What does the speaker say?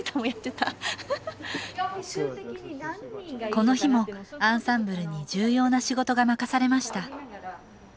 この日もアンサンブルに重要な仕事が任されました